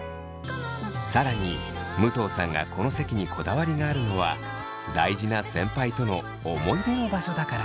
更に武藤さんがこの席にこだわりがあるのは大事な先輩との思い出の場所だから。